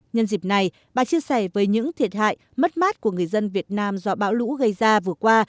nhân dịp này bà chia sẻ với những thiệt hại mất mát của người dân việt nam do bão lũ gây ra vừa qua